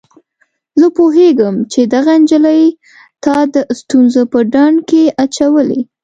زه پوهیږم چي دغه نجلۍ تا د ستونزو په ډنډ کي اچولی.